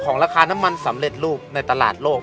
ราคาน้ำมันสำเร็จรูปในตลาดโลก